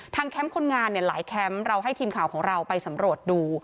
แคมป์คนงานหลายแคมป์เราให้ทีมข่าวของเราไปสำรวจดู